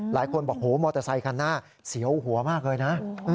หลายคนบอกโหมอเตอร์ไซคันหน้าเสียวหัวมากเลยนะ